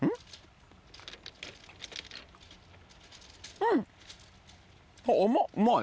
うん。